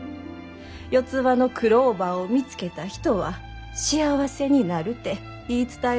四葉のクローバーを見つけた人は幸せになるて言い伝えがあるんやて。